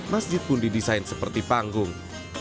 masjid pun didesain seperti panggung